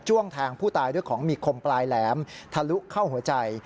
แทงผู้ตายด้วยของมีคมปลายแหลมทะลุเข้าหัวใจ